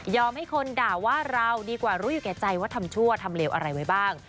ให้คนด่าว่าเราดีกว่ารู้อยู่แก่ใจว่าทำชั่วทำเลวอะไรไว้บ้าง